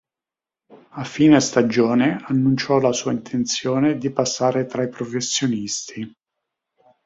A fine stagione annunciò la sua intenzione di passare tra i professionisti.